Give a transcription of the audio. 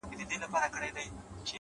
• د غیرت او د ناموس خبره ولاړه ,